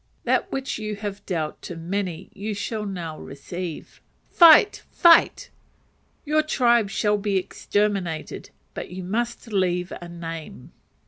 That which you have dealt to many, you shall now receive. Fight! fight! Your tribe shall be exterminated, but you must leave a name!